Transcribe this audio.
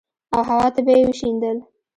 او هوا ته به يې وشيندل.